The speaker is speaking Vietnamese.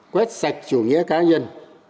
quét sạch chủ nghĩa cá nhân